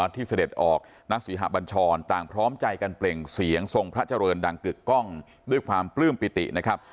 เสด็จออกนักศรีหะบัญชรต่างพร้อมใจกันเปล่งเสียงทรงพระเจริญดังกึกกล้องด้วยความปลื้มปิตินะครับ